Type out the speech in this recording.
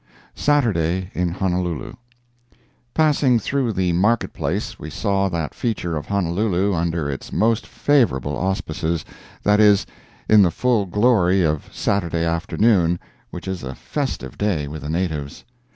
SATURDAY IN HONOLULU Passing through the market place we saw that feature of Honolulu under its most favorable auspices—that is, in the full glory of Saturday afternoon, which is a festive day with the natives.